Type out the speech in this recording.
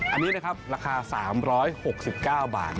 อันนี้ราคา๓๖๙บาท